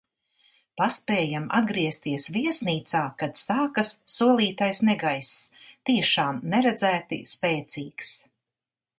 Paspējam atgriezties viesnīcā, kad sākas solītais negaiss - tiešām neredzēti spēcīgs.